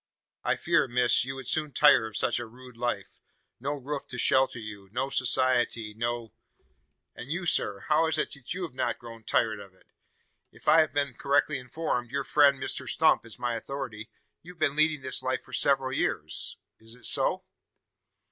"I fear, miss, you would soon tire of such a rude life no roof to shelter you no society no " "And you, sir; how is it you have not grown tired of it? If I have been correctly informed your friend, Mr Stump, is my authority you've been leading this life for several years. Is it so?"